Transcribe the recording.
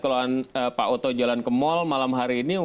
kalau pak oto jalan ke mall malam hari ini